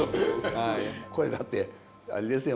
これだってあれですよ